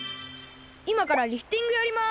いまからリフティングやります。